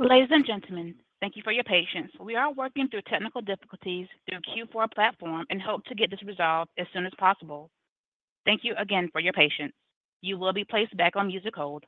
Ladies and gentlemen, thank you for your patience. We are working through technical difficulties through Q4 Platform in hopes to get this resolved as soon as possible. Thank you again for your patience. You will be placed back on music hold.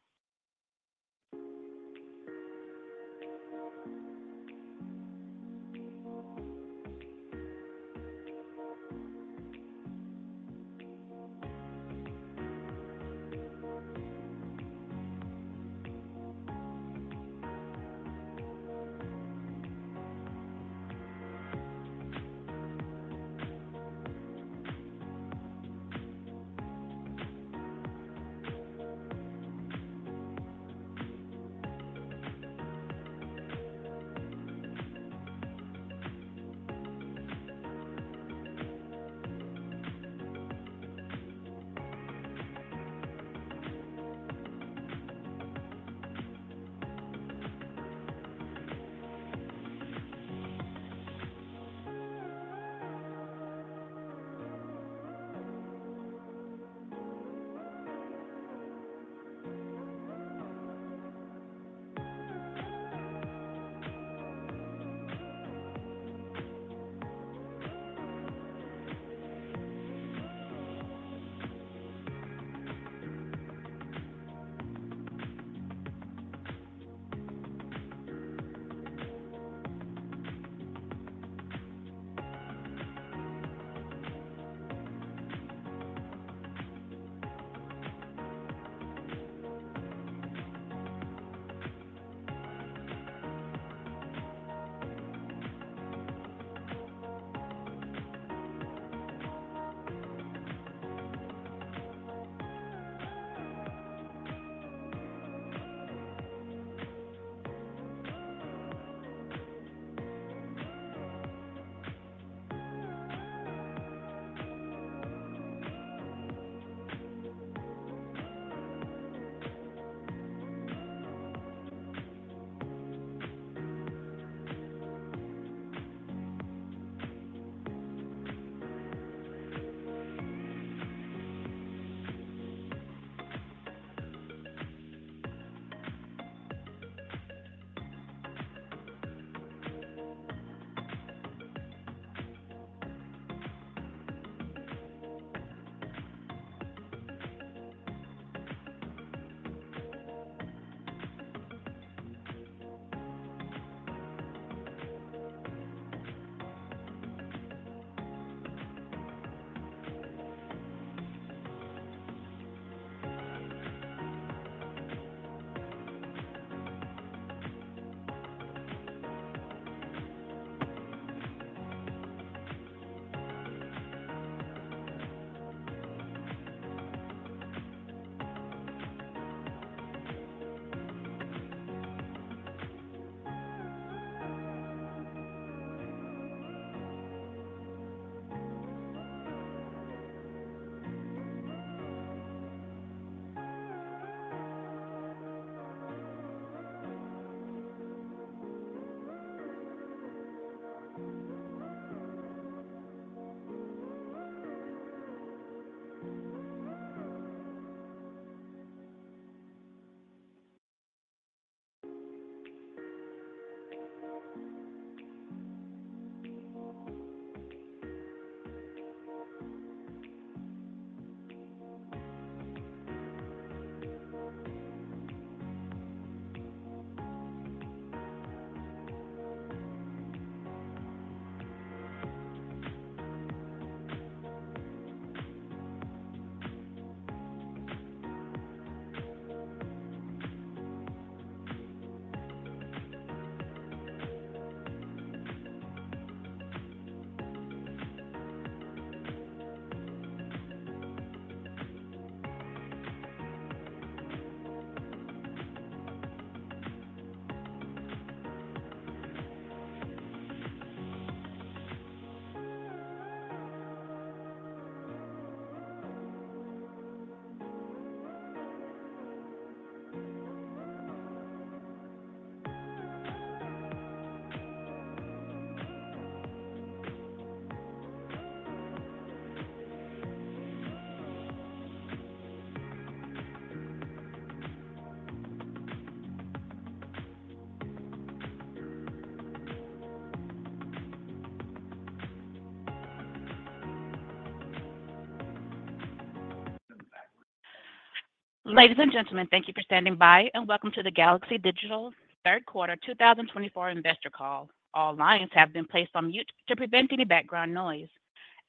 Ladies and gentlemen, thank you for standing by, and welcome to the Galaxy Digital Q3 2024 Investor Call. All lines have been placed on mute to prevent any background noise.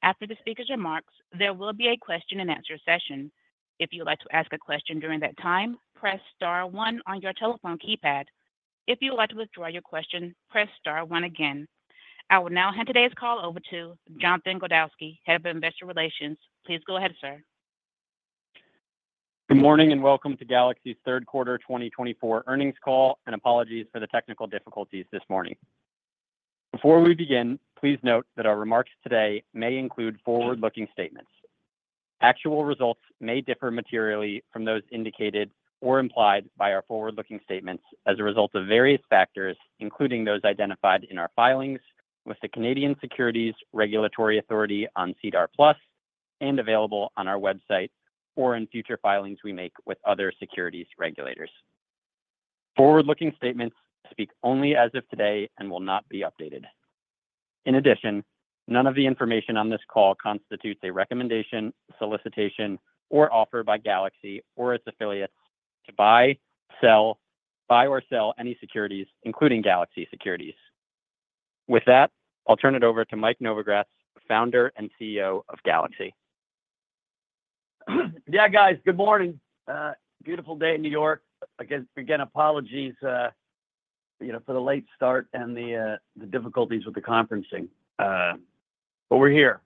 After the speaker's remarks, there will be a question-and-answer session. If you would like to ask a question during that time, press star one on your telephone keypad. If you would like to withdraw your question, press star one again. I will now hand today's call over to Jonathan Goldowski, Head of Investor Relations. Please go ahead, sir. Good morning and welcome to Galaxy's Q3 2024 earnings call, and apologies for the technical difficulties this morning. Before we begin, please note that our remarks today may include forward-looking statements. Actual results may differ materially from those indicated or implied by our forward-looking statements as a result of various factors, including those identified in our filings with the Canadian Securities Regulatory Authority on SEDAR+ and available on our website or in future filings we make with other securities regulators. Forward-looking statements speak only as of today and will not be updated. In addition, none of the information on this call constitutes a recommendation, solicitation, or offer by Galaxy or its affiliates to buy, sell, or sell any securities, including Galaxy Securities. With that, I'll turn it over to Mike Novogratz, Founder and CEO of Galaxy. Yeah, guys, good morning. Beautiful day in New York. Again, apologies, you know, for the late start and the difficulties with the conferencing, but we're here.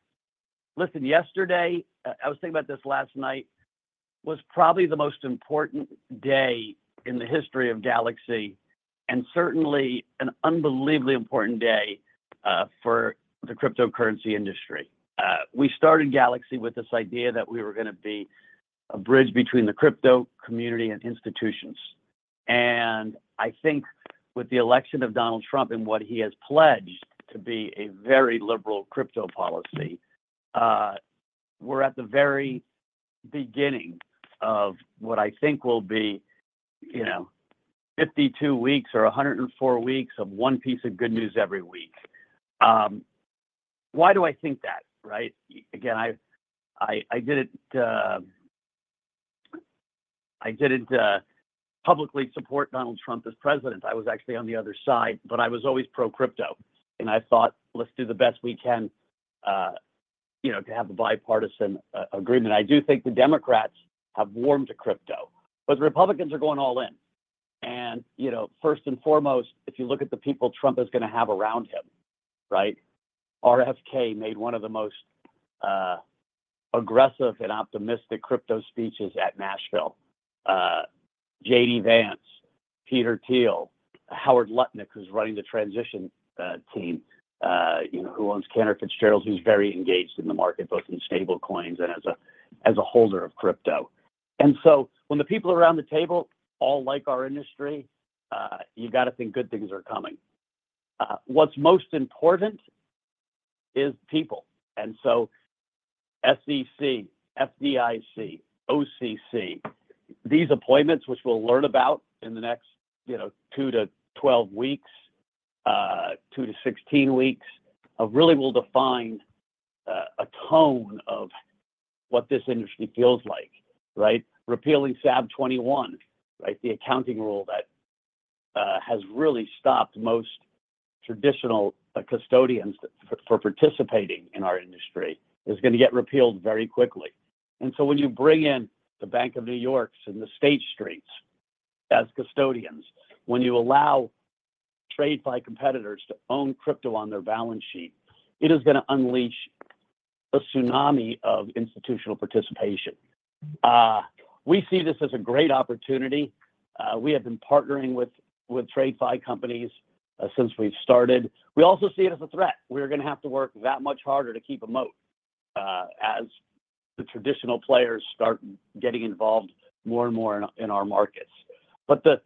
Listen, yesterday, I was thinking about this last night, was probably the most important day in the history of Galaxy and certainly an unbelievably important day for the cryptocurrency industry. We started Galaxy with this idea that we were going to be a bridge between the crypto community and institutions. And I think with the election of Donald Trump and what he has pledged to be a very liberal crypto policy, we're at the very beginning of what I think will be, you know, 52 weeks or 104 weeks of one piece of good news every week. Why do I think that, right? Again, I didn't publicly support Donald Trump as president. I was actually on the other side, but I was always pro-crypto. And I thought, let's do the best we can, you know, to have a bipartisan agreement. I do think the Democrats have warmed to crypto, but the Republicans are going all in. And, you know, first and foremost, if you look at the people Trump is going to have around him, right? RFK made one of the most aggressive and optimistic crypto speeches at Nashville. JD Vance, Peter Thiel, Howard Lutnick, who's running the transition team, you know, who owns Cantor Fitzgerald, who's very engaged in the market, both in stablecoins and as a holder of crypto. And so when the people around the table all like our industry, you've got to think good things are coming. What's most important is people. And so SEC, FDIC, OCC, these appointments, which we'll learn about in the next, you know, two to 12 weeks, two to 16 weeks, really will define a tone of what this industry feels like, right? Repealing SAB 121, right? The accounting rule that has really stopped most traditional custodians from participating in our industry is going to get repealed very quickly. And so when you bring in the Bank of New York's and the State Streets as custodians, when you allow TradFi competitors to own crypto on their balance sheet, it is going to unleash a tsunami of institutional participation. We see this as a great opportunity. We have been partnering with TradFi companies since we've started. We also see it as a threat. We're going to have to work that much harder to keep a moat as the traditional players start getting involved more and more in our markets. But the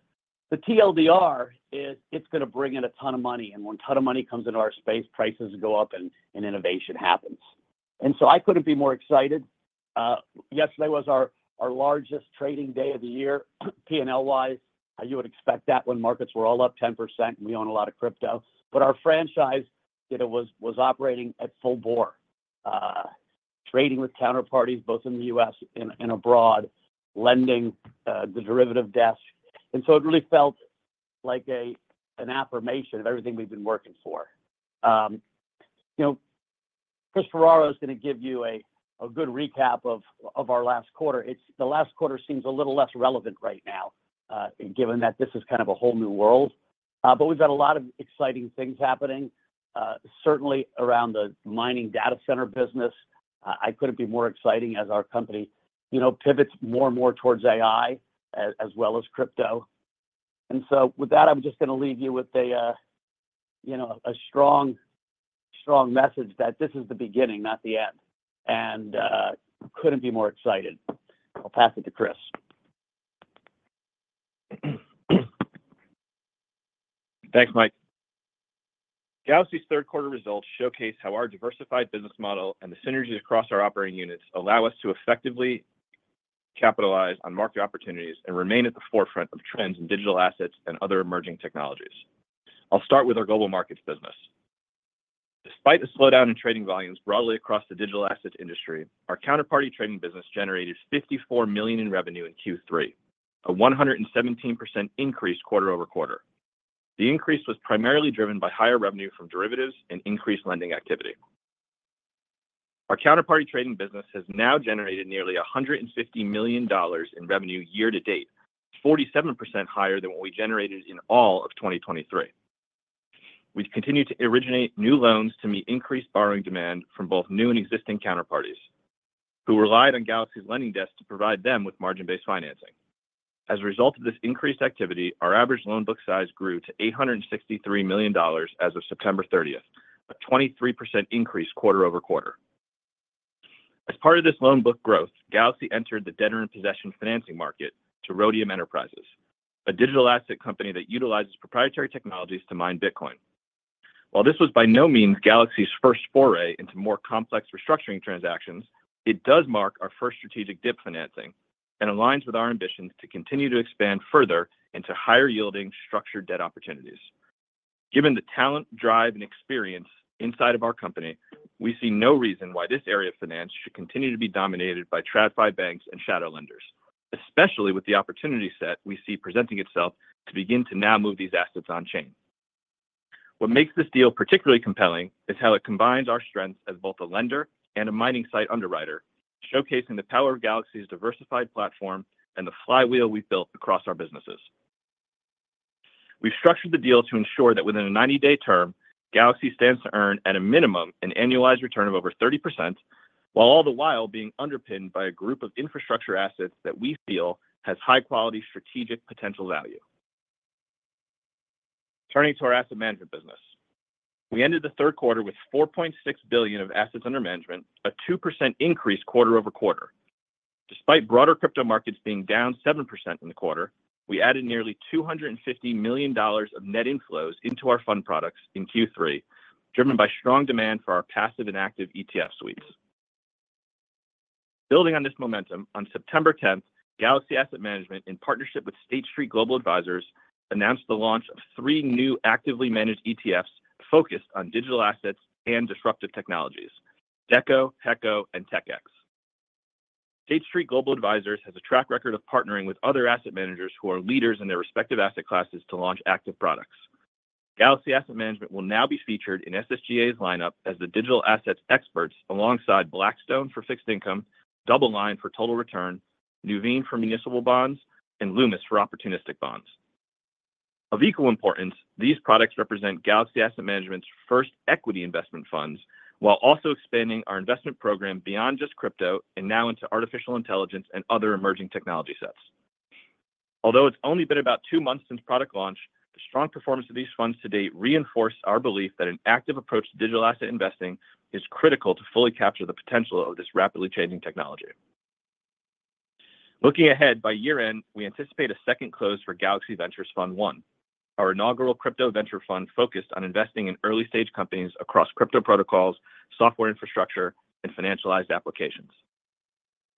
TLDR is it's going to bring in a ton of money. And when a ton of money comes into our space, prices go up and innovation happens. And so I couldn't be more excited. Yesterday was our largest trading day of the year, P&L-wise. You would expect that when markets were all up 10% and we own a lot of crypto. But our franchise, you know, was operating at full bore, trading with counterparties both in the U.S. and abroad, lending the derivative desk. And so it really felt like an affirmation of everything we've been working for. You know, Chris Ferraro is going to give you a good recap of our last quarter. The last quarter seems a little less relevant right now, given that this is kind of a whole new world. But we've had a lot of exciting things happening, certainly around the mining data center business. I couldn't be more exciting as our company, you know, pivots more and more towards AI as well as crypto. And so with that, I'm just going to leave you with a, you know, a strong, strong message that this is the beginning, not the end, and couldn't be more excited. I'll pass it to Chris. Thanks, Mike. Galaxy's Q3 results showcase how our diversified business model and the synergy across our operating units allow us to effectively capitalize on market opportunities and remain at the forefront of trends in digital assets and other emerging technologies. I'll start with our global markets business. Despite a slowdown in trading volumes broadly across the digital asset industry, our counterparty trading business generated $54 million in revenue in Q3, a 117% increase quarter-over-quarter. The increase was primarily driven by higher revenue from derivatives and increased lending activity. Our counterparty trading business has now generated nearly $150 million in revenue year to date, 47% higher than what we generated in all of 2023. We've continued to originate new loans to meet increased borrowing demand from both new and existing counterparties who relied on Galaxy's lending desk to provide them with margin-based financing. As a result of this increased activity, our average loan book size grew to $863 million as of September 30th, a 23% increase quarter-over-quarter. As part of this loan book growth, Galaxy entered the debtor-in-possession financing market to Rhodium Enterprises, a digital asset company that utilizes proprietary technologies to mine Bitcoin. While this was by no means Galaxy's first foray into more complex restructuring transactions, it does mark our first strategic DIP financing and aligns with our ambitions to continue to expand further into higher-yielding structured debt opportunities. Given the talent, drive, and experience inside of our company, we see no reason why this area of finance should continue to be dominated by TradFi banks and shadow lenders, especially with the opportunity set we see presenting itself to begin to now move these assets on-chain. What makes this deal particularly compelling is how it combines our strengths as both a lender and a mining site underwriter, showcasing the power of Galaxy's diversified platform and the flywheel we've built across our businesses. We've structured the deal to ensure that within a 90-day term, Galaxy stands to earn, at a minimum, an annualized return of over 30%, while all the while being underpinned by a group of infrastructure assets that we feel has high-quality strategic potential value. Turning to our asset management business, we ended the Q3 with $4.6 billion of assets under management, a 2% increase quarter-over-quarter. Despite broader crypto markets being down 7% in the quarter, we added nearly $250 million of net inflows into our fund products in Q3, driven by strong demand for our passive and active ETF suites. Building on this momentum, on September 10th, Galaxy Asset Management, in partnership with State Street Global Advisors, announced the launch of three new actively managed ETFs focused on digital assets and disruptive technologies: DECO, HECO, and TECX. State Street Global Advisors has a track record of partnering with other asset managers who are leaders in their respective asset classes to launch active products. Galaxy Asset Management will now be featured in SSGA's lineup as the digital assets experts alongside Blackstone for fixed income, DoubleLine for total return, Nuveen for municipal bonds, and Loomis for opportunistic bonds. Of equal importance, these products represent Galaxy Asset Management's first equity investment funds while also expanding our investment program beyond just crypto and now into artificial intelligence and other emerging technology sets. Although it's only been about two months since product launch, the strong performance of these funds to date reinforced our belief that an active approach to digital asset investing is critical to fully capture the potential of this rapidly changing technology. Looking ahead, by year-end, we anticipate a second close for Galaxy Ventures Fund I, our inaugural crypto venture fund focused on investing in early-stage companies across crypto protocols, software infrastructure, and financialized applications.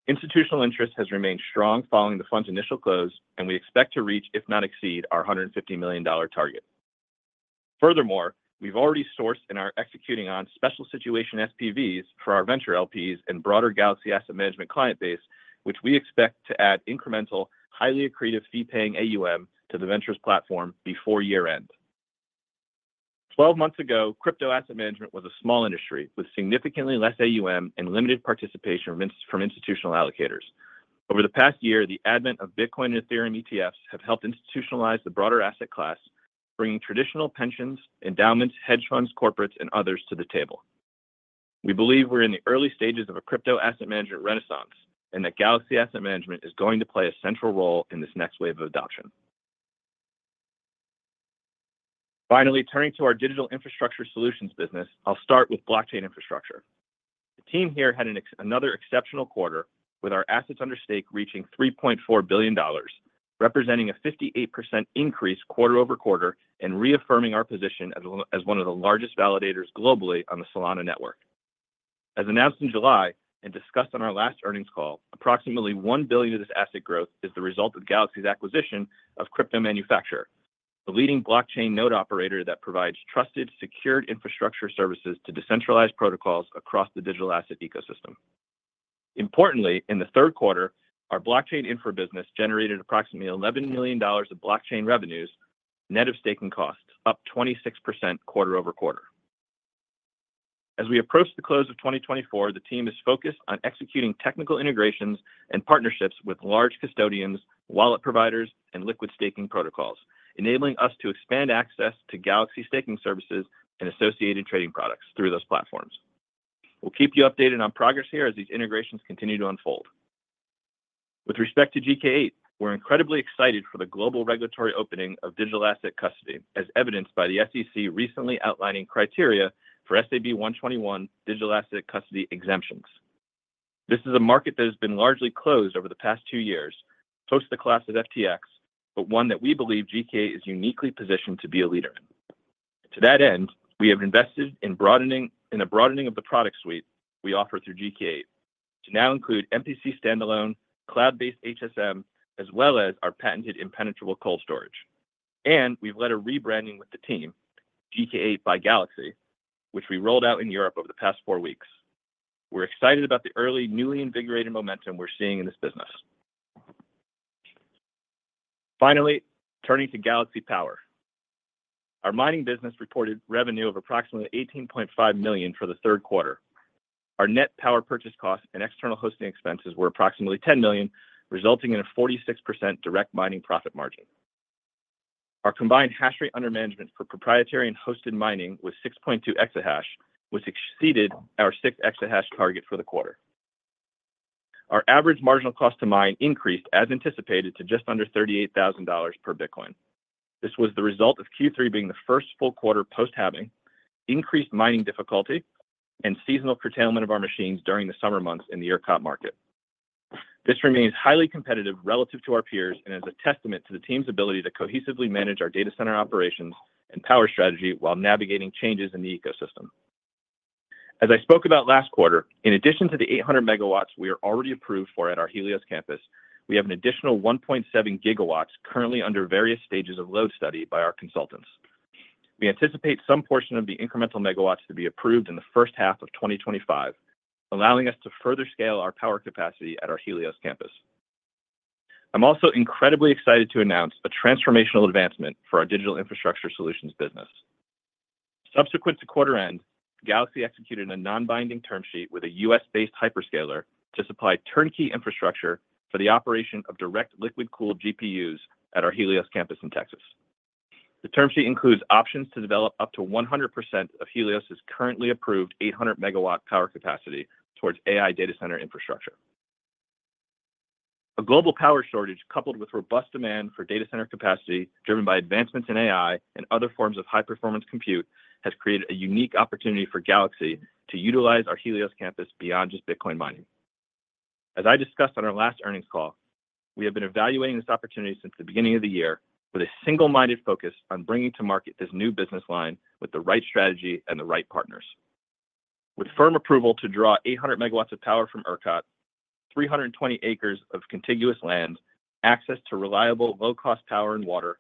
Institutional interest has remained strong following the fund's initial close, and we expect to reach, if not exceed, our $150 million target. Furthermore, we've already sourced and are executing on special situation SPVs for our venture LPs and broader Galaxy Asset Management client base, which we expect to add incremental, highly accretive fee-paying AUM to the ventures platform before year-end. Twelve months ago, crypto asset management was a small industry with significantly less AUM and limited participation from institutional allocators. Over the past year, the advent of Bitcoin and Ethereum ETFs has helped institutionalize the broader asset class, bringing traditional pensions, endowments, hedge funds, corporates, and others to the table. We believe we're in the early stages of a crypto asset management renaissance and that Galaxy Asset Management is going to play a central role in this next wave of adoption. Finally, turning to our digital infrastructure solutions business, I'll start with blockchain infrastructure. The team here had another exceptional quarter with our assets under stake reaching $3.4 billion, representing a 58% increase quarter-over-quarter and reaffirming our position as one of the largest validators globally on the Solana network. As announced in July and discussed on our last earnings call, approximately $1 billion of this asset growth is the result of Galaxy's acquisition of Crypto Manufaktur, the leading blockchain node operator that provides trusted, secured infrastructure services to decentralized protocols across the digital asset ecosystem. Importantly, in the Q3, our blockchain infra business generated approximately $11 million of blockchain revenues net of staking costs, up 26% quarter-over-quarter. As we approach the close of 2024, the team is focused on executing technical integrations and partnerships with large custodians, wallet providers, and liquid staking protocols, enabling us to expand access to Galaxy staking services and associated trading products through those platforms. We'll keep you updated on progress here as these integrations continue to unfold. With respect to GK8, we're incredibly excited for the global regulatory opening of digital asset custody, as evidenced by the SEC recently outlining criteria for SAB 121 digital asset custody exemptions. This is a market that has been largely closed over the past two years, close to the collapse of FTX, but one that we believe GK8 is uniquely positioned to be a leader in. To that end, we have invested in a broadening of the product suite we offer through GK8 to now include MPC standalone, cloud-based HSM, as well as our patented impenetrable cold storage, and we've led a rebranding with the team, GK8 by Galaxy, which we rolled out in Europe over the past four weeks. We're excited about the early, newly invigorated momentum we're seeing in this business. Finally, turning to Galaxy Power. Our mining business reported revenue of approximately $18.5 million for the Q3. Our net power purchase costs and external hosting expenses were approximately $10 million, resulting in a 46% direct mining profit margin. Our combined hash rate under management for proprietary and hosted mining was 6.2 exahash, which exceeded our 6 exahash target for the quarter. Our average marginal cost to mine increased, as anticipated, to just under $38,000 per Bitcoin. This was the result of Q3 being the first full quarter post-halving, increased mining difficulty, and seasonal curtailment of our machines during the summer months in the ERCOT market. This remains highly competitive relative to our peers and is a testament to the team's ability to cohesively manage our data center operations and power strategy while navigating changes in the ecosystem. As I spoke about last quarter, in addition to the 800 MW we are already approved for at our Helios Campus, we have an additional 1.7 GW currently under various stages of load study by our consultants. We anticipate some portion of the incremental megawatts to be approved in the first half of 2025, allowing us to further scale our power capacity at our Helios Campus. I'm also incredibly excited to announce a transformational advancement for our digital infrastructure solutions business. Subsequent to quarter-end, Galaxy executed a non-binding term sheet with a U.S.-based hyperscaler to supply turnkey infrastructure for the operation of direct liquid-cooled GPUs at our Helios Campus in Texas. The term sheet includes options to develop up to 100% of Helios's currently approved 800 MW power capacity towards AI data center infrastructure. A global power shortage coupled with robust demand for data center capacity driven by advancements in AI and other forms of high-performance compute has created a unique opportunity for Galaxy to utilize our Helios Campus beyond just Bitcoin mining. As I discussed on our last earnings call, we have been evaluating this opportunity since the beginning of the year with a single-minded focus on bringing to market this new business line with the right strategy and the right partners. With firm approval to draw 800 MW of power from ERCOT, 320 acres of contiguous land, access to reliable, low-cost power and water,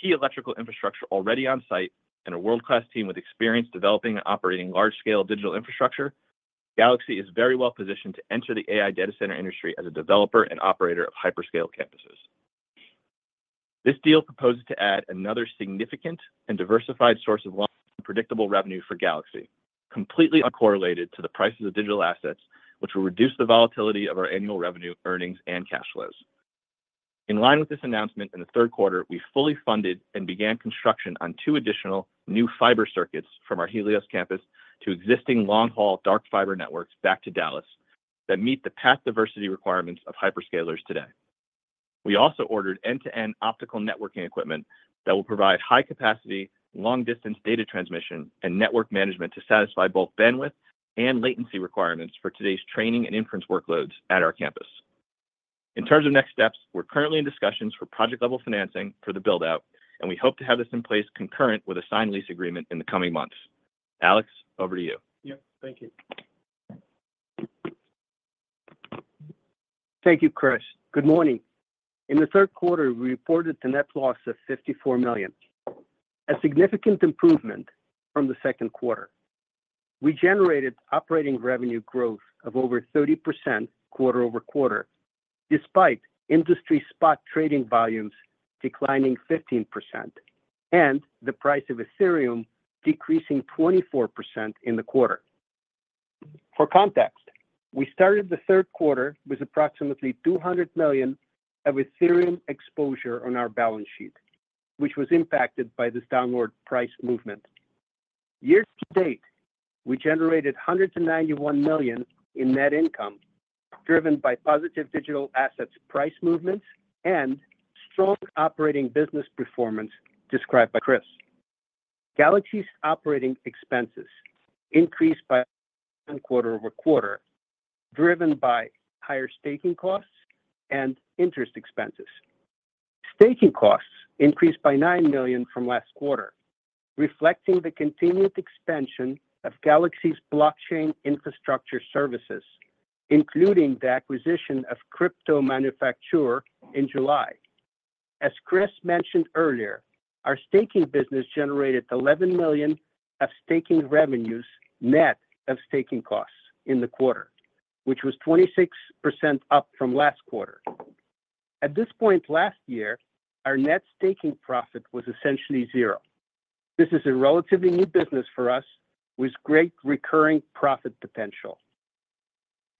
key electrical infrastructure already on-site, and a world-class team with experience developing and operating large-scale digital infrastructure, Galaxy is very well positioned to enter the AI data center industry as a developer and operator of hyperscale campuses. This deal proposes to add another significant and diversified source of long-term predictable revenue for Galaxy, completely uncorrelated to the prices of digital assets, which will reduce the volatility of our annual revenue, earnings, and cash flows. In line with this announcement in the Q3, we fully funded and began construction on two additional new fiber circuits from our Helios campus to existing long-haul dark fiber networks back to Dallas that meet the path diversity requirements of hyperscalers today. We also ordered end-to-end optical networking equipment that will provide high-capacity, long-distance data transmission and network management to satisfy both bandwidth and latency requirements for today's training and inference workloads at our campus. In terms of next steps, we're currently in discussions for project-level financing for the build-out, and we hope to have this in place concurrent with a signed lease agreement in the coming months. Alex, over to you. Yep, thank you. Thank you, Chris. Good morning. In the Q3, we reported the net loss of $54 million, a significant improvement from the Q2. We generated operating revenue growth of over 30% quarter-over-quarter despite industry spot trading volumes declining 15% and the price of Ethereum decreasing 24% in the quarter. For context, we started the Q3 with approximately $200 million of Ethereum exposure on our balance sheet, which was impacted by this downward price movement. Year-to-date, we generated $191 million in net income driven by positive digital assets price movements and strong operating business performance described by Chris. Galaxy's operating expenses increased by $1.75 million quarter-over-quarter, driven by higher staking costs and interest expenses. Staking costs increased by $9 million from last quarter, reflecting the continued expansion of Galaxy's blockchain infrastructure services, including the acquisition of Crypto Manufaktur in July. As Chris mentioned earlier, our staking business generated $11 million of staking revenues net of staking costs in the quarter, which was 26% up from last quarter. At this point last year, our net staking profit was essentially zero. This is a relatively new business for us with great recurring profit potential.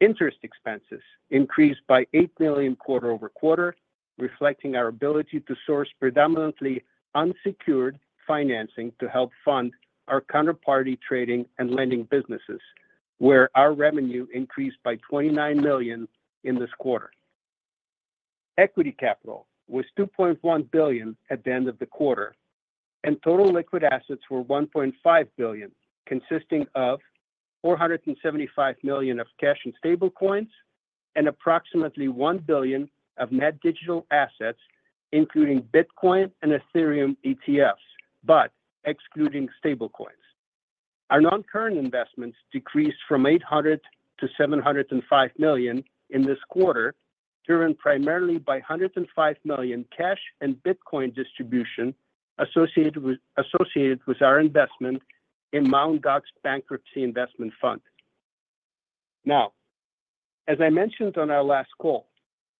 Interest expenses increased by $8 million quarter-over-quarter, reflecting our ability to source predominantly unsecured financing to help fund our counterparty trading and lending businesses, where our revenue increased by $29 million in this quarter. Equity capital was $2.1 billion at the end of the quarter, and total liquid assets were $1.5 billion, consisting of $475 million of cash and stablecoins and approximately $1 billion of net digital assets, including Bitcoin and Ethereum ETFs, but excluding stablecoins. Our non-current investments decreased from $800 to $705 million in this quarter, driven primarily by $105 million cash and Bitcoin distribution associated with our investment in Mt. Gox Bankruptcy Investment Fund. Now, as I mentioned on our last call,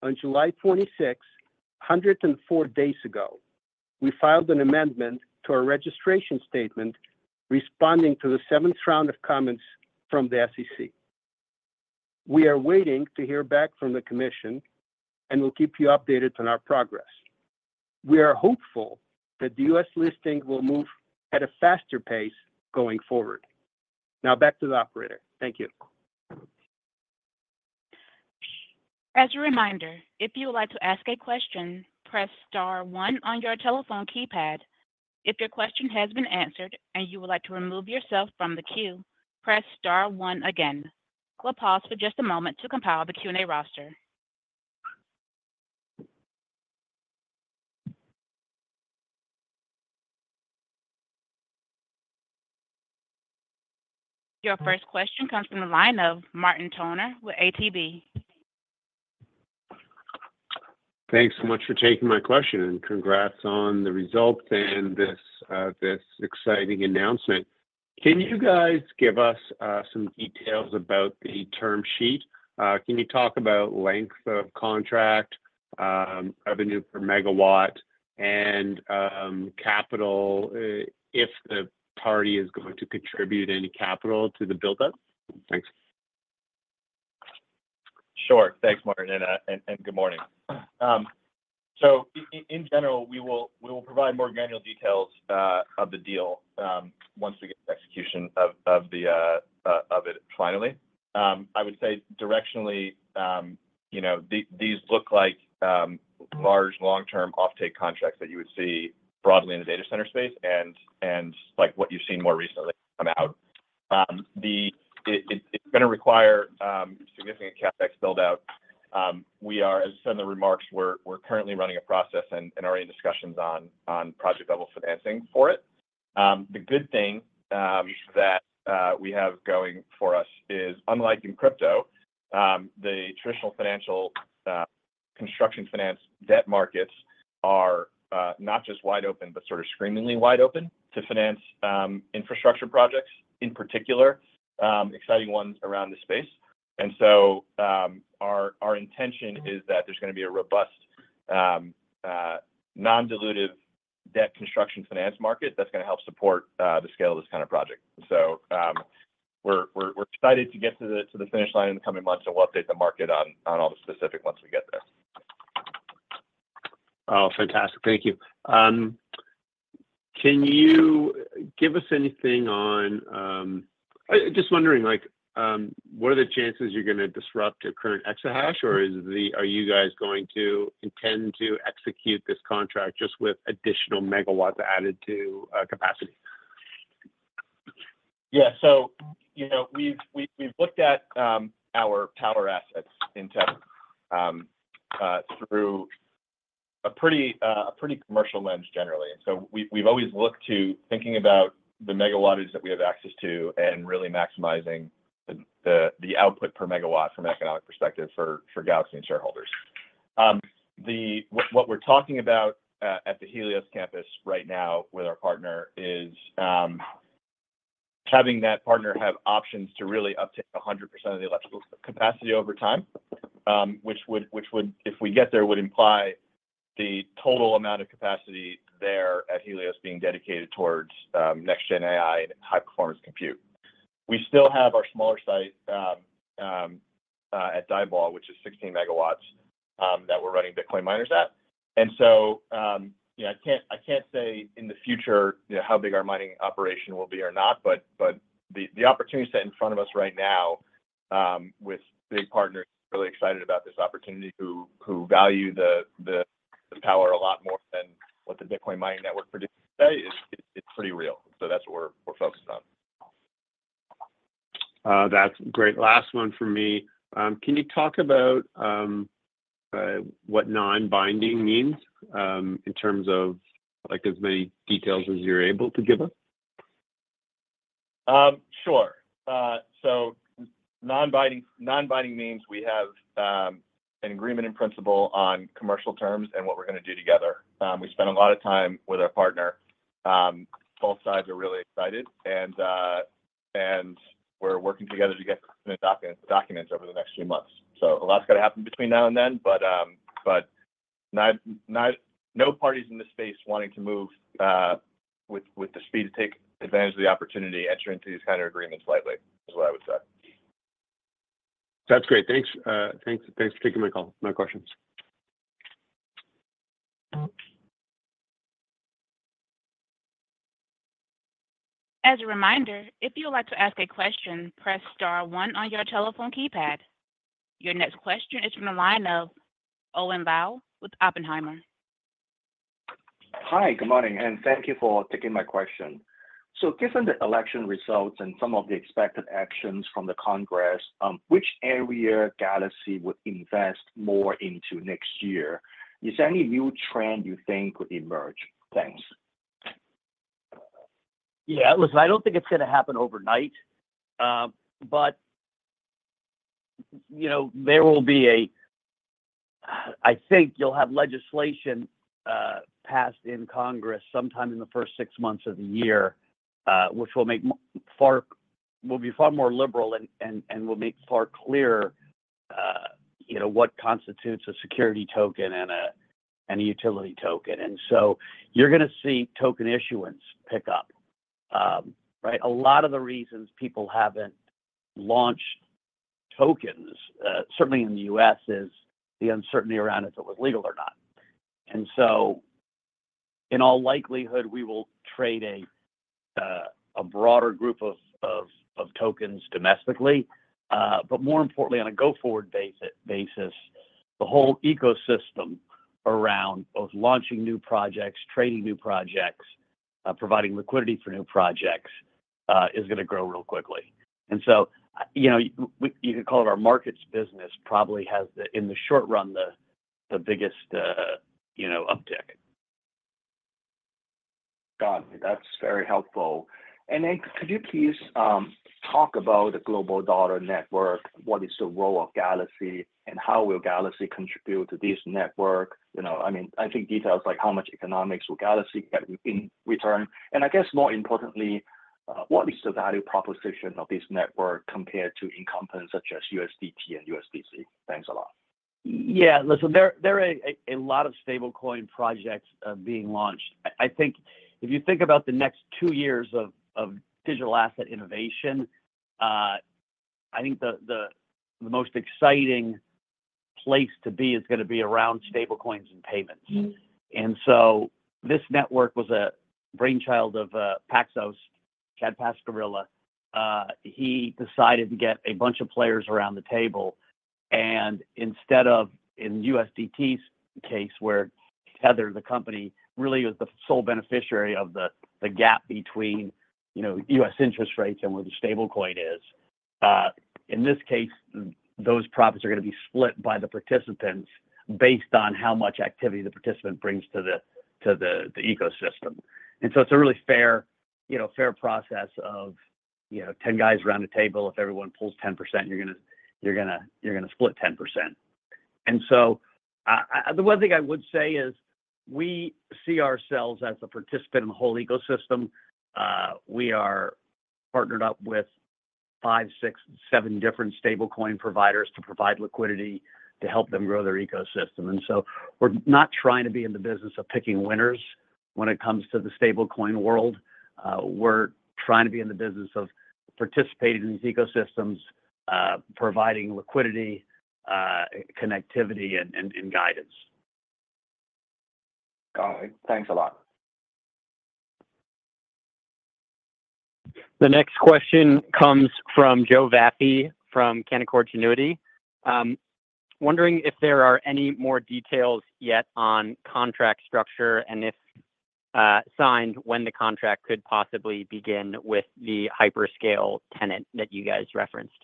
on July 26, 104 days ago, we filed an amendment to our registration statement responding to the seventh round of comments from the SEC. We are waiting to hear back from the commission and will keep you updated on our progress. We are hopeful that the U.S. listing will move at a faster pace going forward. Now, back to the operator. Thank you. As a reminder, if you would like to ask a question, press star one on your telephone keypad. If your question has been answered and you would like to remove yourself from the queue, press star one again. We'll pause for just a moment to compile the Q&A roster. Your first question comes from the line of Martin Toner with ATB. Thanks so much for taking my question, and congrats on the results and this exciting announcement. Can you guys give us some details about the term sheet? Can you talk about length of contract, revenue per MW, and capital if the party is going to contribute any capital to the build-up? Thanks. Sure. Thanks, Martin, and good morning. So, in general, we will provide more granular details of the deal once we get execution of it finally. I would say, directionally, these look like large, long-term offtake contracts that you would see broadly in the data center space and what you've seen more recently come out. It's going to require significant CapEx build-out. We are, as said in the remarks, we're currently running a process and are in discussions on project-level financing for it. The good thing that we have going for us is, unlike in crypto, the traditional financial construction finance debt markets are not just wide open, but sort of screamingly wide open to finance infrastructure projects, in particular, exciting ones around the space. And so our intention is that there's going to be a robust, non-dilutive debt construction finance market that's going to help support the scale of this kind of project. So we're excited to get to the finish line in the coming months and we'll update the market on all the specifics once we get there. Oh, fantastic. Thank you. Can you give us anything on, I'm just wondering, what are the chances you're going to disrupt your current exahash, or are you guys going to intend to execute this contract just with additional MW added to capacity? Yeah. So we've looked at our power assets in tech through a pretty commercial lens, generally. And so we've always looked to thinking about the megawattages that we have access to and really maximizing the output per megawatt from an economic perspective for Galaxy and shareholders. What we're talking about at the Helios Campus right now with our partner is having that partner have options to really uptake 100% of the electrical capacity over time, which, if we get there, would imply the total amount of capacity there at Helios being dedicated towards next-gen AI and high-performance compute. We still have our smaller site at Diboll, which is 16 MW that we're running Bitcoin miners at. I can't say in the future how big our mining operation will be or not, but the opportunities set in front of us right now with big partners really excited about this opportunity who value the power a lot more than what the Bitcoin mining network produces today. It's pretty real. That's what we're focused on. That's a great last one for me. Can you talk about what non-binding means in terms of as many details as you're able to give us? Sure. Non-binding means we have an agreement in principle on commercial terms and what we're going to do together. We spent a lot of time with our partner. Both sides are really excited, and we're working together to get documents over the next few months. So a lot's got to happen between now and then, but no parties in this space wanting to move with the speed to take advantage of the opportunity enter into these kinds of agreements lightly is what I would say. That's great. Thanks for taking my call, my questions. As a reminder, if you would like to ask a question, press star one on your telephone keypad. Your next question is from the line of Owen Lau with Oppenheimer. Hi, good morning, and thank you for taking my question. So given the election results and some of the expected actions from the Congress, which area Galaxy would invest more into next year? Is there any new trend you think could emerge? Thanks. Yeah, listen, I don't think it's going to happen overnight, but there will be a—I think you'll have legislation passed in Congress sometime in the first six months of the year, which will be far more liberal and will make far clearer what constitutes a security token and a utility token. And so you're going to see token issuance pick up, right? A lot of the reasons people haven't launched tokens, certainly in the U.S., is the uncertainty around if it was legal or not. And so, in all likelihood, we will trade a broader group of tokens domestically, but more importantly, on a go-forward basis, the whole ecosystem around both launching new projects, trading new projects, providing liquidity for new projects is going to grow real quickly. And so you could call it our markets business probably has, in the short run, the biggest uptick. Got it. That's very helpful. And could you please talk about the Global Dollar Network? What is the role of Galaxy and how will Galaxy contribute to this network? I mean, I think details like how much economics will Galaxy get in return. And I guess, more importantly, what is the value proposition of this network compared to incumbents such as USDT and USDC? Thanks a lot. Yeah. Listen, there are a lot of stablecoin projects being launched. I think if you think about the next two years of digital asset innovation, I think the most exciting place to be is going to be around stablecoins and payments. And so this network was a brainchild of Paxos, Charles Cascarilla. He decided to get a bunch of players around the table. And instead of, in USDT's case, where Tether, the company, really was the sole beneficiary of the gap between U.S. interest rates and where the stablecoin is. In this case, those profits are going to be split by the participants based on how much activity the participant brings to the ecosystem, and so it's a really fair process of 10 guys around the table. If everyone pulls 10%, you're going to split 10%, and so the one thing I would say is we see ourselves as a participant in the whole ecosystem. We are partnered up with five, six, seven different stablecoin providers to provide liquidity to help them grow their ecosystem, and so we're not trying to be in the business of picking winners when it comes to the stablecoin world. We're trying to be in the business of participating in these ecosystems, providing liquidity, connectivity, and guidance. Got it. Thanks a lot. The next question comes from Joe Vafi from Canaccord Genuity. Wondering if there are any more details yet on contract structure and if signed when the contract could possibly begin with the hyperscale tenant that you guys referenced?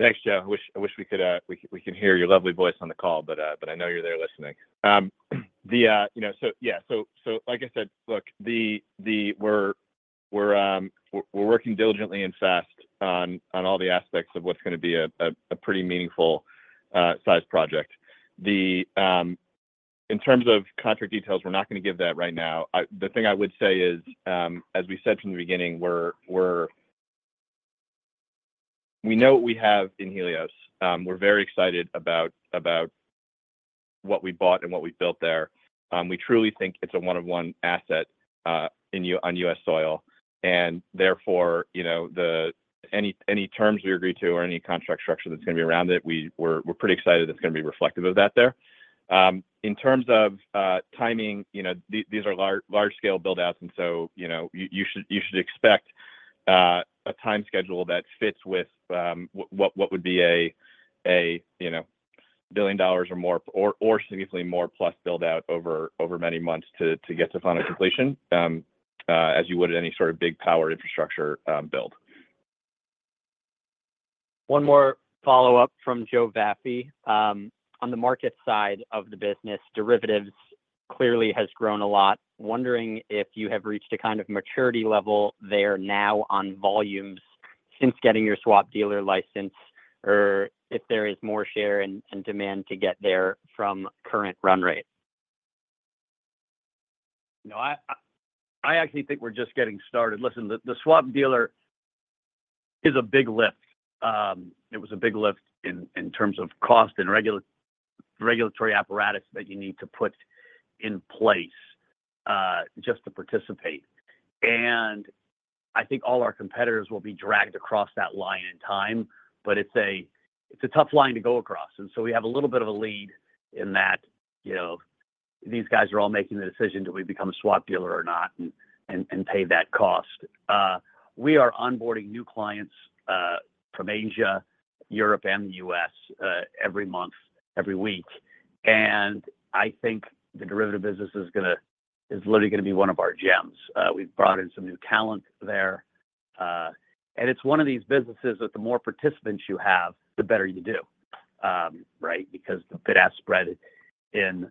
Thanks, Joe. I wish we could hear your lovely voice on the call, but I know you're there listening. So, yeah. So, like I said, look, we're working diligently and fast on all the aspects of what's going to be a pretty meaningful-sized project. In terms of contract details, we're not going to give that right now. The thing I would say is, as we said from the beginning, we know what we have in Helios. We're very excited about what we bought and what we built there. We truly think it's a one-of-one asset on U.S. soil. Therefore, any terms we agree to or any contract structure that's going to be around it, we're pretty excited it's going to be reflective of that there. In terms of timing, these are large-scale build-outs, and so you should expect a time schedule that fits with what would be $1 billion or more or significantly more plus build-out over many months to get to final completion, as you would at any sort of big power infrastructure build. One more follow-up from Joe Vafi. On the market side of the business, derivatives clearly have grown a lot. Wondering if you have reached a kind of maturity level there now on volumes since getting your swap dealer license, or if there is more share and demand to get there from current run rate? I actually think we're just getting started. Listen, the swap dealer is a big lift. It was a big lift in terms of cost and regulatory apparatus that you need to put in place just to participate. And I think all our competitors will be dragged across that line in time, but it's a tough line to go across. And so we have a little bit of a lead in that these guys are all making the decision, "Do we become a swap dealer or not and pay that cost?" We are onboarding new clients from Asia, Europe, and the U.S. every month, every week. And I think the derivative business is literally going to be one of our gems. We've brought in some new talent there. And it's one of these businesses that the more participants you have, the better you do, right? Because the bid-ask spread in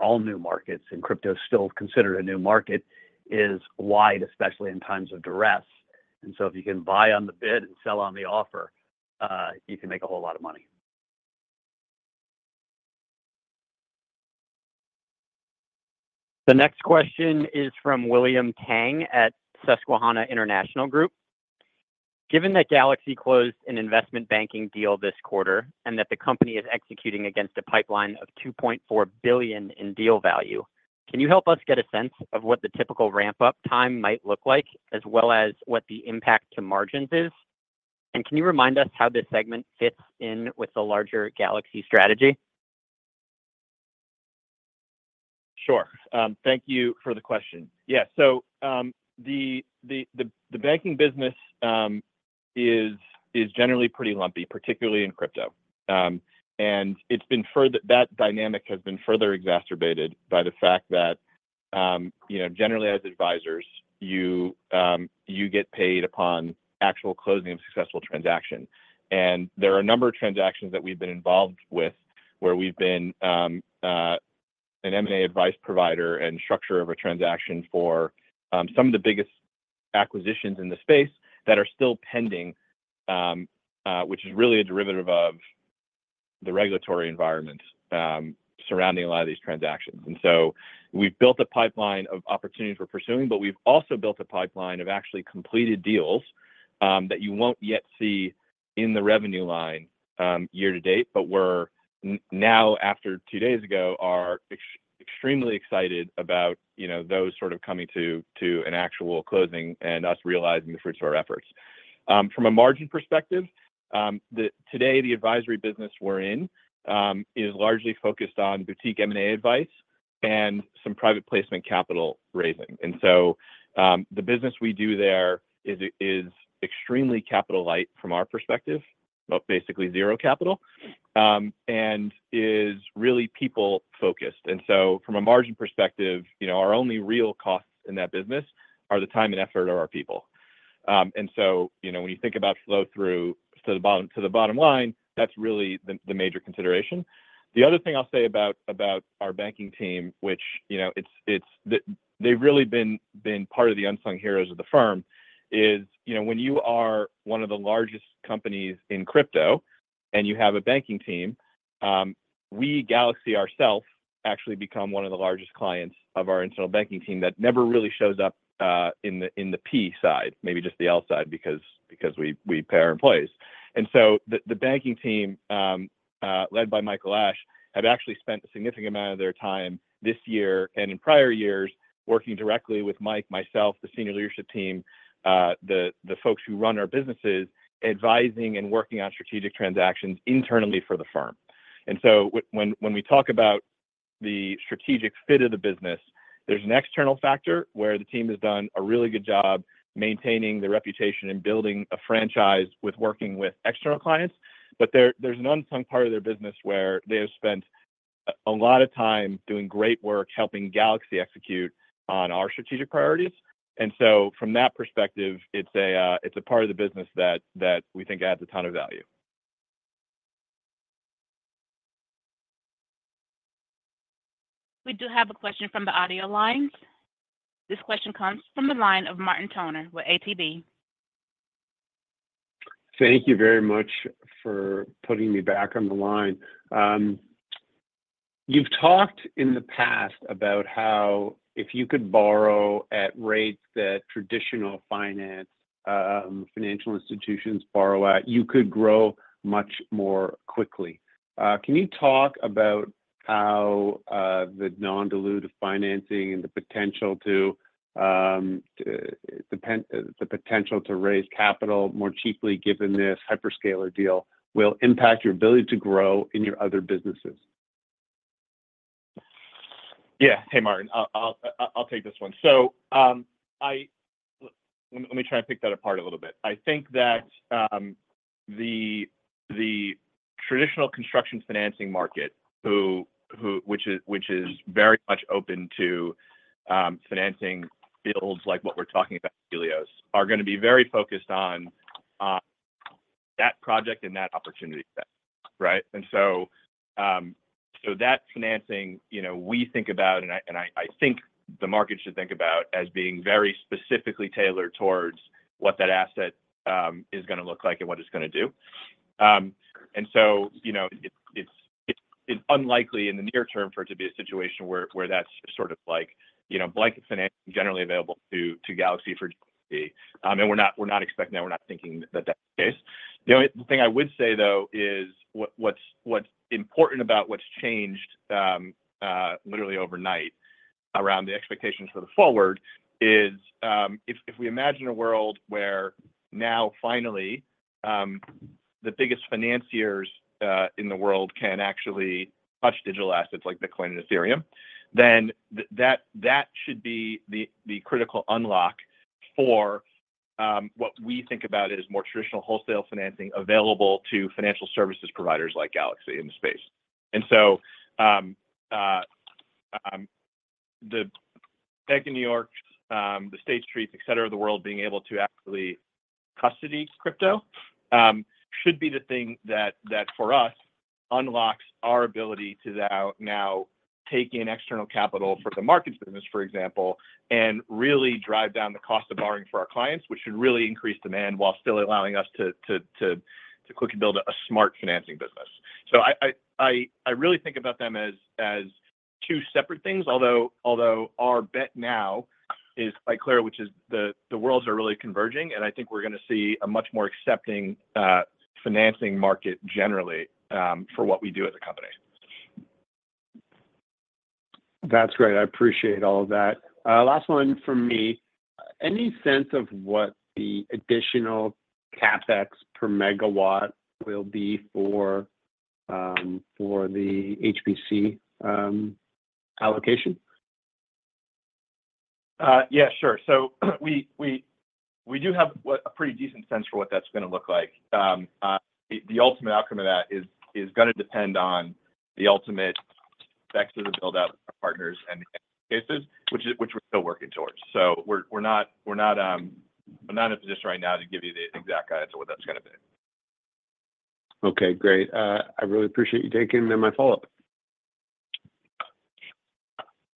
all new markets, and crypto is still considered a new market, is wide, especially in times of duress. And so if you can buy on the bid and sell on the offer, you can make a whole lot of money. The next question is from William Tang at Susquehanna International Group. Given that Galaxy closed an investment banking deal this quarter and that the company is executing against a pipeline of $2.4 billion in deal value, can you help us get a sense of what the typical ramp-up time might look like, as well as what the impact to margins is? And can you remind us how this segment fits in with the larger Galaxy strategy? Sure. Thank you for the question. Yeah. So the banking business is generally pretty lumpy, particularly in crypto. And that dynamic has been further exacerbated by the fact that, generally, as advisors, you get paid upon actual closing of a successful transaction. And there are a number of transactions that we've been involved with where we've been an M&A advice provider and structure of a transaction for some of the biggest acquisitions in the space that are still pending, which is really a derivative of the regulatory environment surrounding a lot of these transactions. And so we've built a pipeline of opportunities we're pursuing, but we've also built a pipeline of actually completed deals that you won't yet see in the revenue line year to date. But we're now, after two days ago, extremely excited about those sort of coming to an actual closing and us realizing the fruits of our efforts. From a margin perspective, today, the advisory business we're in is largely focused on boutique M&A advice and some private placement capital raising. And so the business we do there is extremely capital-light from our perspective, basically zero capital, and is really people-focused. And so from a margin perspective, our only real costs in that business are the time and effort of our people. And so when you think about flow through to the bottom line, that's really the major consideration. The other thing I'll say about our banking team, which they've really been part of the unsung heroes of the firm, is when you are one of the largest companies in crypto and you have a banking team, we, Galaxy ourselves, actually become one of the largest clients of our internal banking team that never really shows up in the P side, maybe just the L side because we pay our employees. And so the banking team, led by Michael Ashe, have actually spent a significant amount of their time this year and in prior years working directly with Mike, myself, the senior leadership team, the folks who run our businesses, advising and working on strategic transactions internally for the firm. When we talk about the strategic fit of the business, there's an external factor where the team has done a really good job maintaining the reputation and building a franchise with working with external clients. But there's an unsung part of their business where they have spent a lot of time doing great work helping Galaxy execute on our strategic priorities. And so from that perspective, it's a part of the business that we think adds a ton of value. We do have a question from the audio lines. This question comes from the line of Martin Toner with ATB. Thank you very much for putting me back on the line. You've talked in the past about how if you could borrow at rates that traditional financial institutions borrow at, you could grow much more quickly. Can you talk about how the non-dilutive financing and the potential to raise capital more cheaply given this hyperscaler deal will impact your ability to grow in your other businesses? Yeah. Hey, Martin. I'll take this one. So let me try and pick that apart a little bit. I think that the traditional construction financing market, which is very much open to financing builds like what we're talking about at Helios, are going to be very focused on that project and that opportunity set, right? And so that financing, we think about, and I think the market should think about as being very specifically tailored towards what that asset is going to look like and what it's going to do. And so it's unlikely in the near term for it to be a situation where that's sort of like blanket financing generally available to Galaxy for capex. We're not expecting that. We're not thinking that that's the case. The thing I would say, though, is what's important about what's changed literally overnight around the expectations for the forward is if we imagine a world where now, finally, the biggest financiers in the world can actually touch digital assets like Bitcoin and Ethereum, then that should be the critical unlock for what we think about as more traditional wholesale financing available to financial services providers like Galaxy in the space. And so the Bank of New York, the State Street, etc., the world being able to actually custody crypto should be the thing that, for us, unlocks our ability to now take in external capital for the markets business, for example, and really drive down the cost of borrowing for our clients, which should really increase demand while still allowing us to quickly build a smart financing business. So I really think about them as two separate things, although our bet now is quite clear, which is the worlds are really converging, and I think we're going to see a much more accepting financing market generally for what we do as a company. That's great. I appreciate all of that. Last one from me. Any sense of what the additional CapEx per MW will be for the HPC allocation? Yeah, sure. So we do have a pretty decent sense for what that's going to look like. The ultimate outcome of that is going to depend on the ultimate specs of the build-out for partners and the cases, which we're still working towards. So we're not in a position right now to give you the exact guidance on what that's going to be. Okay. Great. I really appreciate you taking my follow-up.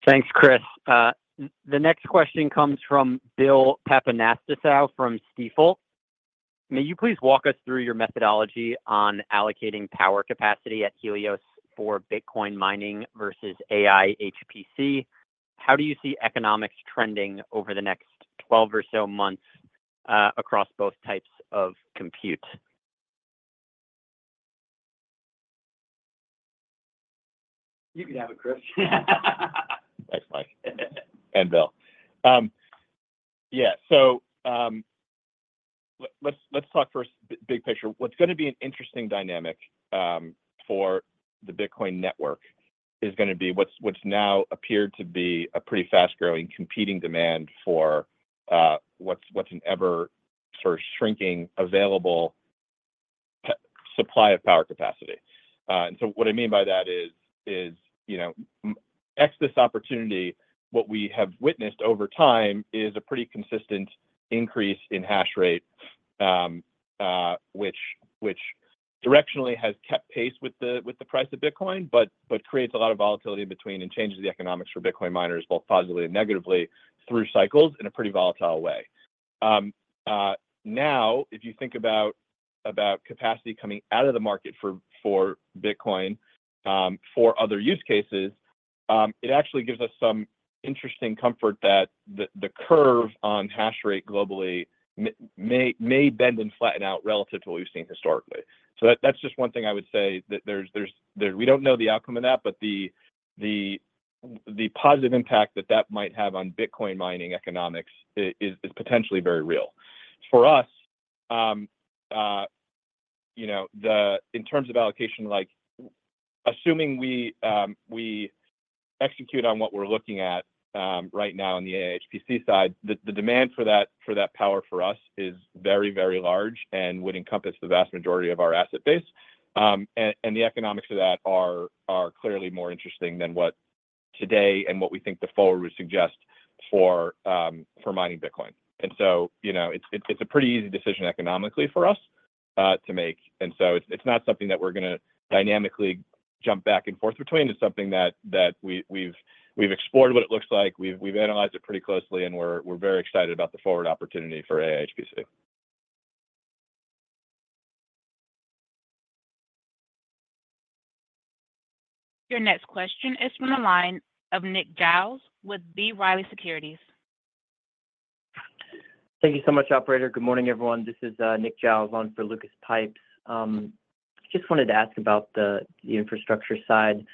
Thanks, Chris. The next question comes from Bill Papanastasiou from Stifel. May you please walk us through your methodology on allocating power capacity at Helios for Bitcoin mining versus AI HPC? How do you see economics trending over the next 12 or so months across both types of compute? You can have it, Chris. Thanks, Mike. And Bill. Yeah. So let's talk first big picture. What's going to be an interesting dynamic for the Bitcoin network is going to be what's now appeared to be a pretty fast-growing competing demand for what's an ever-shrinking available supply of power capacity. And so what I mean by that is excess opportunity. What we have witnessed over time is a pretty consistent increase in hash rate, which directionally has kept pace with the price of Bitcoin but creates a lot of volatility in between and changes the economics for Bitcoin miners both positively and negatively through cycles in a pretty volatile way. Now, if you think about capacity coming out of the market for Bitcoin for other use cases, it actually gives us some interesting comfort that the curve on hash rate globally may bend and flatten out relative to what we've seen historically. So that's just one thing I would say that we don't know the outcome of that, but the positive impact that that might have on Bitcoin mining economics is potentially very real. For us, in terms of allocation, assuming we execute on what we're looking at right now on the AI HPC side, the demand for that power for us is very, very large and would encompass the vast majority of our asset base. And the economics of that are clearly more interesting than what today and what we think the forward would suggest for mining Bitcoin. And so it's a pretty easy decision economically for us to make. And so it's not something that we're going to dynamically jump back and forth between. It's something that we've explored what it looks like. We've analyzed it pretty closely, and we're very excited about the forward opportunity for AI HPC. Your next question is from the line of Nick Giles with B. Riley Securities. Thank you so much, operator. Good morning, everyone. This is Nick Giles on for Lucas Pipes. Just wanted to ask about the infrastructure side.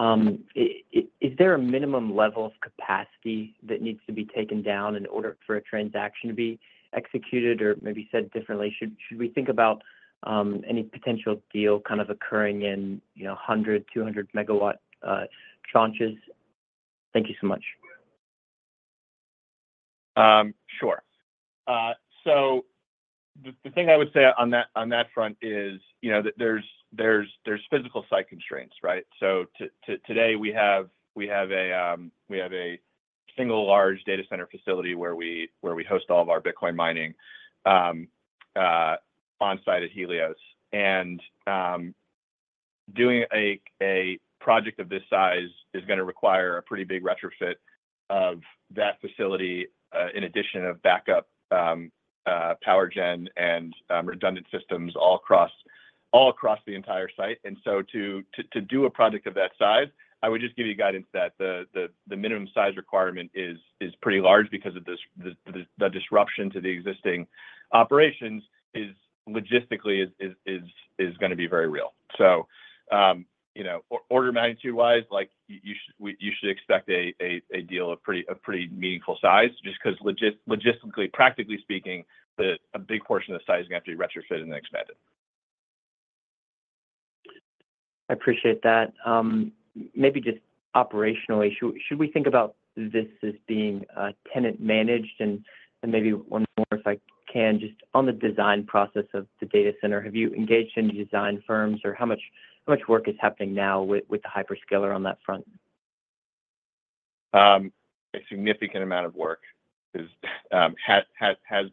Is there a minimum level of capacity that needs to be taken down in order for a transaction to be executed? Or maybe said differently, should we think about any potential deal kind of occurring in 100, 200 MW tranches? Thank you so much. Sure. So the thing I would say on that front is that there's physical site constraints, right? So today, we have a single large data center facility where we host all of our Bitcoin mining on-site at Helios. Doing a project of this size is going to require a pretty big retrofit of that facility in addition of backup power gen and redundant systems all across the entire site. To do a project of that size, I would just give you guidance that the minimum size requirement is pretty large because of the disruption to the existing operations logistically is going to be very real. Order magnitude-wise, you should expect a deal of pretty meaningful size just because logistically, practically speaking, a big portion of the size is going to have to be retrofitted and expanded. I appreciate that. Maybe just operational issue. Should we think about this as being tenant-managed? Maybe one more if I can, just on the design process of the data center, have you engaged any design firms? Or how much work is happening now with the hyperscaler on that front? A significant amount of work has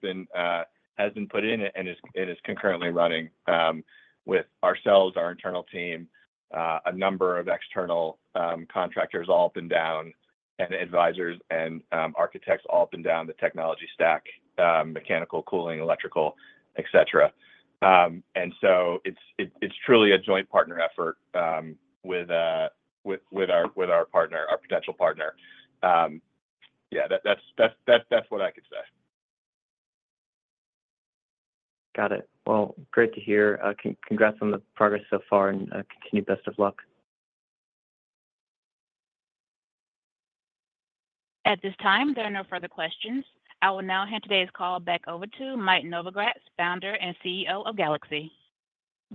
been put in and is concurrently running with ourselves, our internal team, a number of external contractors all up and down, and advisors and architects all up and down the technology stack, mechanical, cooling, electrical, etc. And so it's truly a joint partner effort with our potential partner. Yeah, that's what I could say. Got it. Well, great to hear. Congrats on the progress so far and continued best of luck. At this time, there are no further questions. I will now hand today's call back over to Mike Novogratz, Founder and CEO of Galaxy.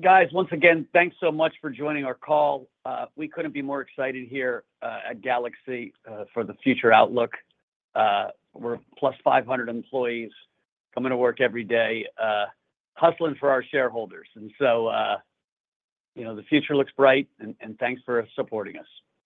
Guys, once again, thanks so much for joining our call. We couldn't be more excited here at Galaxy for the future outlook. We're +500 employees coming to work every day, hustling for our shareholders. And so the future looks bright, and thanks for supporting us.